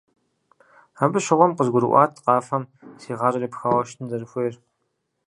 Абы щыгъуэм къызгурыӀуат къафэм си гъащӀэр епхауэ щытыну сызэрыхуейр.